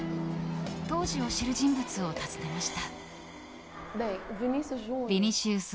当時を知る人物を訪ねました。